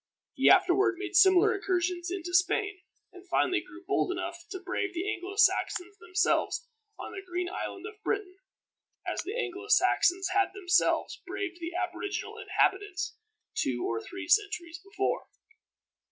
He afterward made similar incursions into Spain, and finally grew bold enough to brave the Anglo Saxons themselves on the green island of Britain, as the Anglo Saxons had themselves braved the aboriginal inhabitants two or three centuries before.